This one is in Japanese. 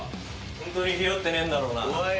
ホントにひよってねえんだろうな。